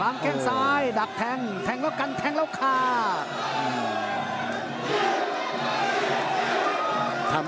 รับแทงซ้ายดับแทงแทงก็กันแทงแล้วค่ะ